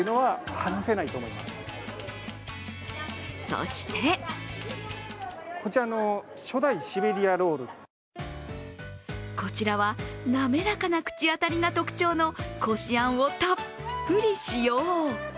そしてこちらは滑らかな口当たりが特徴のこしあんをたっぷり使用。